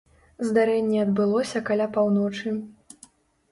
Здарэнне адбылося каля паўночы.